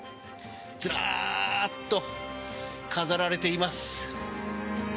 ずらっと飾られています。